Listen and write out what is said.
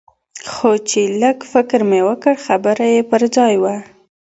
خو چې لږ فکر مې وکړ خبره يې پر ځاى وه.